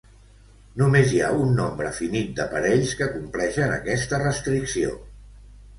Només hi ha un nombre finit de parells que compleixen aquesta restricció.